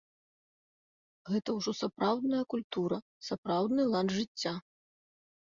Гэта ўжо сапраўдная культура, сапраўдны лад жыцця.